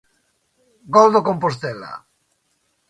Gol do Compostela.